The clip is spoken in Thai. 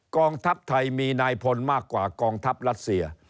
กองทัพไทยมีนายพลมากกว่ากองทัพรัสเซีย